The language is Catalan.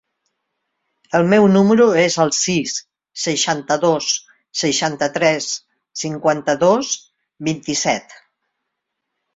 El meu número es el sis, seixanta-dos, seixanta-tres, cinquanta-dos, vint-i-set.